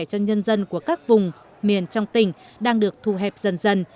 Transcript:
cho nhân dân của các vùng miền trong tỉnh đang được thu hẹp dần dần